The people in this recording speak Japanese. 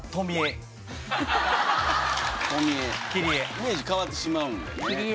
イメージ変わってしまうんで。